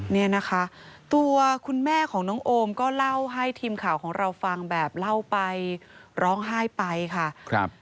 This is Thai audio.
เนี่ยนะคะตัวคุณแม่ของน้องโอมก็เล่าให้ทีมข่าวของเราฟังแบบเล่าไปร้องไห้ไปค่ะครับ